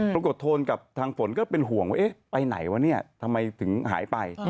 โทนกับทางฝนก็เป็นห่วงว่าเอ๊ะไปไหนวะเนี่ยทำไมถึงหายไป